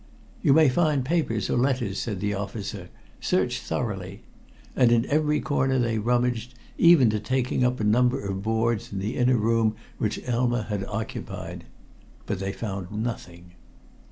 "You may find papers or letters," said the officer. "Search thoroughly." And in every corner they rummaged, even to taking up a number of boards in the inner room which Elma had occupied. But they found nothing.